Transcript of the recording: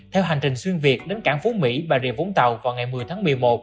theo hành trình xuyên việt đến cảng phố mỹ và rìa vốn tàu vào ngày một mươi tháng một mươi một